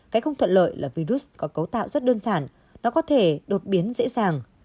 cái không thuận lợi là virus có cấu tạo rất đơn giản nó có thể đột biến dễ dàng